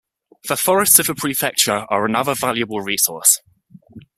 The forests of the prefecture are another valuable resource.